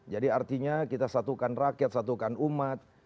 jadi artinya kita satukan rakyat satukan umat